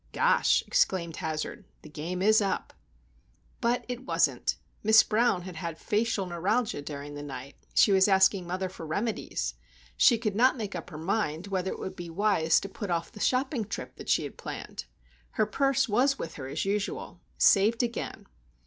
"Gosh!" exclaimed Hazard. "The game is up." But it wasn't. Miss Brown had had facial neuralgia during the night. She was asking mother for remedies. She could not make up her mind whether it would be wise to put off the shopping trip that she had planned. Her purse was with her as usual. Saved again!